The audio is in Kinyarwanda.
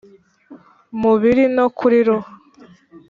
Mubiri no kuri roho